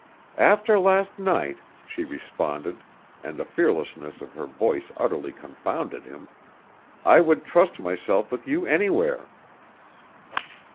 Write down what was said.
"After last night," she responded, and the fearlessness of her voice utterly confounded him, "I would trust myself with you anywhere."